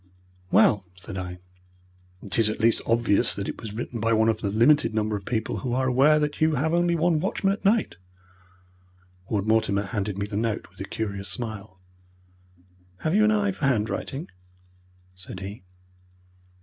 "Well," said I, "it is at least obvious that it was written by one of the limited number of people who are aware that you have only one watchman at night." Ward Mortimer handed me the note, with a curious smile. "Have you an eye for handwriting?" said he.